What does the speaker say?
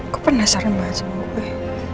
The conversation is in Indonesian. gue penasaran banget sama gue